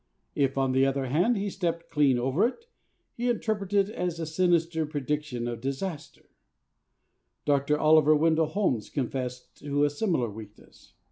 If, on the other hand, he stepped clean over it, he interpreted it as a sinister prediction of disaster. Dr. Oliver Wendell Holmes confesses to a similar weakness.